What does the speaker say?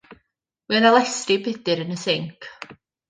Mi oedd 'na lestri budr yn y sinc.